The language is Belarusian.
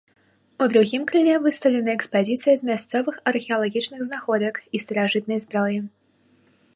У другім крыле выстаўлена экспазіцыя з мясцовых археалагічных знаходак і старажытнай зброі.